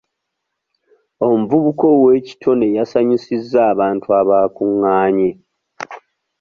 Omuvubuka ow'ekitone yasanyusizza abantu abaakungaanye.